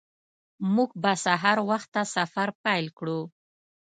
موږ به سهار وخته سفر پیل کړو